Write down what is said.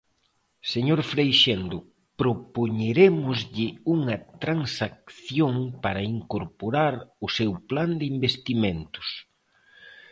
Señor Freixendo, propoñerémoslle unha transacción para incorporar o seu plan de investimentos.